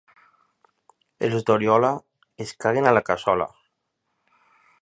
Els d'Oriola es caguen a la cassola.